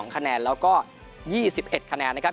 คะแนนแล้วก็๒๑คะแนนนะครับ